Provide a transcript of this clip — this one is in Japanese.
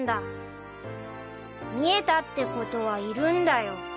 見えたってことはいるんだよ